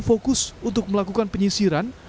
fokus untuk melakukan penyisiran